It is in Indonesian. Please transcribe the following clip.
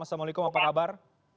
assalamualaikum apa kabar